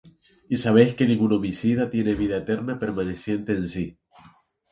y sabéis que ningún homicida tiene vida eterna permaneciente en sí.